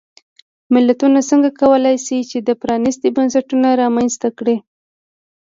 ملتونه څنګه کولای شي چې پرانیستي بنسټونه رامنځته کړي.